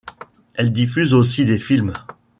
Elle diffuse aussi des films.